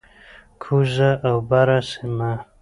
کوزه او بره سیمه،